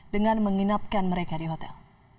dengan menginapkan mereka di hotel